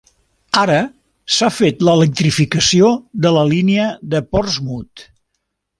Ara s'ha fet l'electrificació de la línia de Portsmouth.